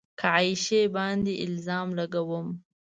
که عایشې باندې الزام لګوم